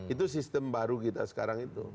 itu sistem baru kita sekarang itu